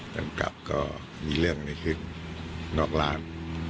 กันจับก็มีเรื่องอะไรขึ้นนอกร้าน